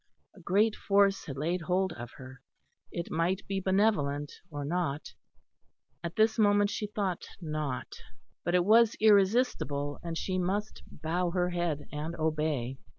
A great Force had laid hold of her, it might be benevolent or not at this moment she thought not but it was irresistible; and she must bow her head and obey.